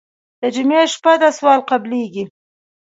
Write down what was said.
د جمعې شپه ده سوال قبلېږي.